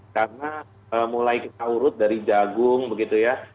karena mulai kita urut dari jagung begitu ya